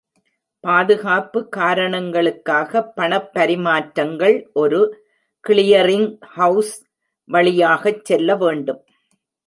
பாதுகாப்பு காரணங்களுக்காக பணப் பரிமாற்றங்கள் ஒரு கிளியரிங்ஹவுஸ் வழியாகச் செல்ல வேண்டும்.